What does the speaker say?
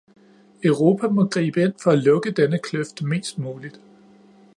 Europa må gribe ind for at lukke denne kløft mest muligt.